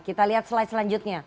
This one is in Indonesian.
kita lihat slide selanjutnya